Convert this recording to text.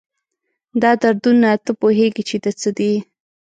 دا دردونه، تۀ پوهېږي چې د څه دي؟